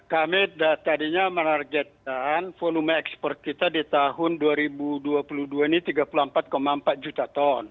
kami tadinya menargetkan volume ekspor kita di tahun dua ribu dua puluh dua ini tiga puluh empat empat juta ton